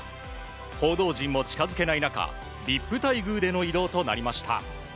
報道陣も近づけない中ＶＩＰ待遇での移動となりました。